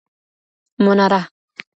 مناره